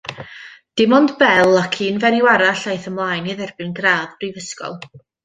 Dim ond Bell ac un fenyw arall a aeth ymlaen i dderbyn gradd brifysgol.